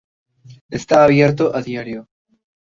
Está abierto a diario.